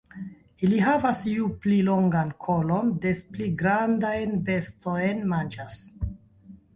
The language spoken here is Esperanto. Ili havas ju pli longan kolon des pli grandajn bestojn manĝas.